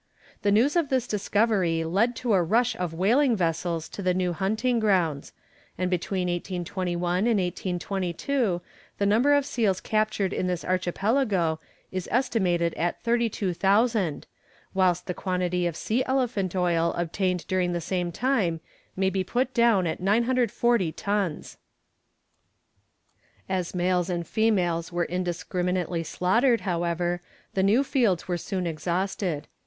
The news of this discovery led to a rush of whaling vessels to the new hunting grounds, and between 1821 and 1822 the number of seals captured in this archipelago is estimated at 32,000, whilst the quantity of sea elephant oil obtained during the same time may be put down at 940 tons. As males and females were indiscriminately slaughtered, however, the new fields were soon exhausted.